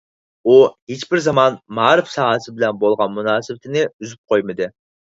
ئۇ ھېچبىر زامان مائارىپ ساھەسى بىلەن بولغان مۇناسىۋىتىنى ئۈزۈپ قويمىدى.